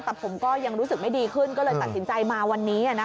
แต่ผมก็ยังรู้สึกไม่ดีขึ้นก็เลยตัดสินใจมาวันนี้